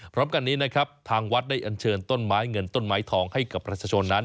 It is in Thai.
พร้อมกันนี้นะครับทางวัดได้อันเชิญต้นไม้เงินต้นไม้ทองให้กับประชาชนนั้น